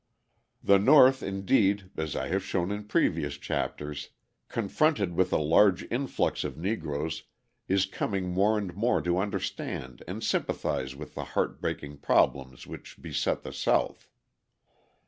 The North, indeed, as I have shown in previous chapters, confronted with a large influx of Negroes, is coming more and more to understand and sympathise with the heart breaking problems which beset the South.